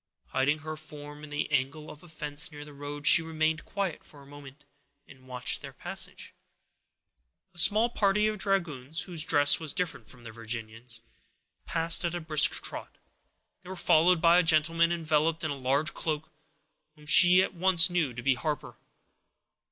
Hiding her form in the angle of a fence near the road, she remained quiet for a moment, and watched their passage. A small party of dragoons, whose dress was different from the Virginians, passed at a brisk trot. They were followed by a gentleman, enveloped in a large cloak, whom she at once knew to be Harper.